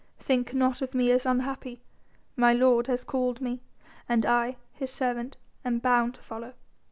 "Think not of me as unhappy. My Lord has called me and I, His servant am bound to follow."